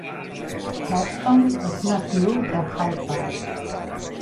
Hairston és natiu de Hyde Park.